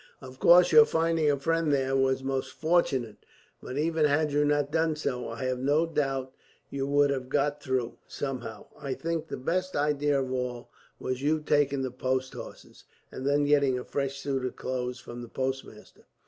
Of course your finding a friend there was most fortunate; but even had you not done so, I have no doubt you would have got through, somehow. I think the best idea of all was your taking the post horses, and then getting a fresh suit of clothes from the postmaster.